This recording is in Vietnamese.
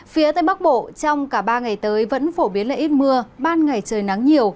phía tây bắc bộ trong cả ba ngày tới vẫn phổ biến là ít mưa ban ngày trời nắng nhiều